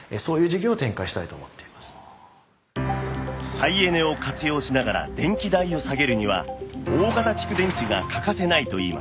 再エネを活用しながら電気代を下げるには大型蓄電池が欠かせないといいます